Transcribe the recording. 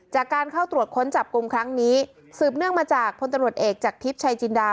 จากการเข้าตรวจค้นจับกลุ่มครั้งนี้สืบเนื่องมาจากพลตำรวจเอกจากทิพย์ชัยจินดา